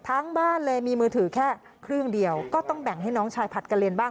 บ้านเลยมีมือถือแค่เครื่องเดียวก็ต้องแบ่งให้น้องชายผัดกระเรียนบ้าง